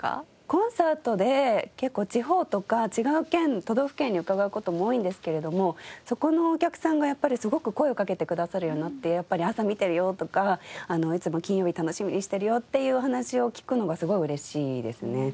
コンサートで結構地方とか違う県都道府県に伺う事も多いんですけれどもそこのお客さんがやっぱりすごく声を掛けてくださるようになってやっぱり「朝見てるよ」とか「いつも金曜日楽しみにしてるよ」っていうお話を聞くのがすごい嬉しいですね。